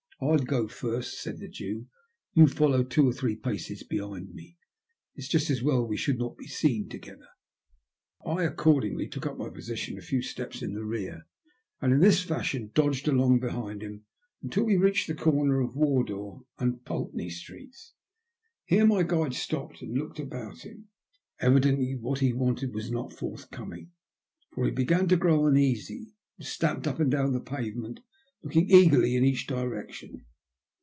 "I'll go first," said the Jew. "You follow two or three paces behind me. It's just as well we should not be seen together." I accordingly took up my position a few steps in the rear, and in this fashion dodged along behind him, until we reached the corner of "Wardour and Pultney A GPiUESOME TALE. 87 Streets. Here my guide stopped and looked about him. Evidently what he wanted was not forthcoming, for he began to grow uneasy, and stamped up and down the pavement, looking eagerly in each direction.